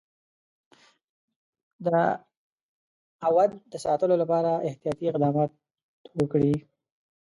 د اَوَد د ساتلو لپاره احتیاطي اقدامات وکړي.